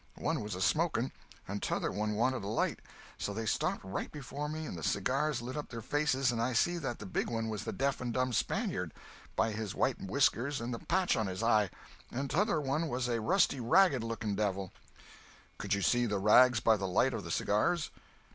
One was a smoking, and t'other one wanted a light; so they stopped right before me and the cigars lit up their faces and I see that the big one was the deaf and dumb Spaniard, by his white whiskers and the patch on his eye, and t'other one was a rusty, ragged looking devil." "Could you see the rags by the light of the cigars?"